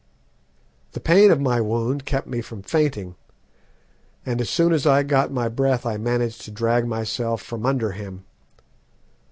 "The pain of my wound kept me from fainting, and as soon as I got my breath I managed to drag myself from under him.